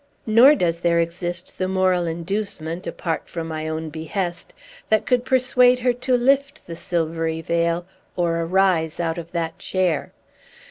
Nor does there exist the moral inducement, apart from my own behest, that could persuade her to lift the silvery veil, or arise out of that chair."